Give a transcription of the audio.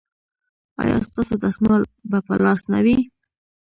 ایا ستاسو دستمال به په لاس نه وي؟